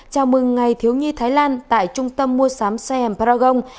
chào mừng ngày thiếu nhi thái lan tại trung tâm mua sắm saem paragon